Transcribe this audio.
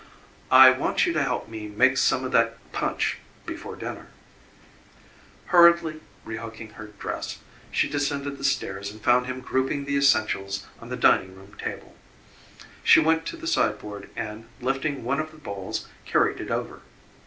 "I want you to help me make some of that punch before dinner." Hurriedly rehooking her dress, she descended the stairs and found him grouping the essentials on the dining room table. She went to the sideboard and, lifting one of the bowls, carried it over.